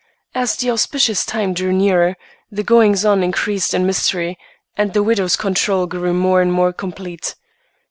As the auspicious time drew near, the goings on increased in mystery and the widow's control grew more and more complete.